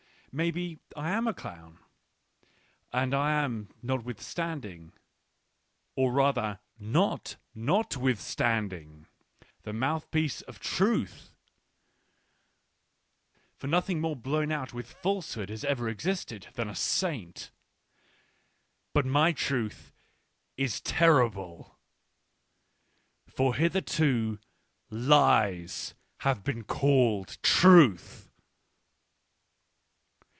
Maybe I am a clown. And I am notwithstanding, or rather not ^/withstanding, the mouthpiece of truth ; for nothing more blown out with falsehood has ever existed, than a saint. But_jnytruth_is terriblg : for hitherto lies have beencafled truth.